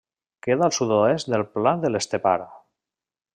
Queda al sud-oest del Pla de l'Estepar.